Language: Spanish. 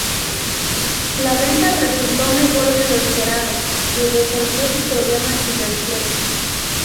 La venta resultó mejor de lo esperado, y resolvió sus problemas financieros.